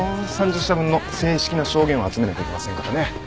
３０社分の正式な証言を集めなきゃいけませんからね。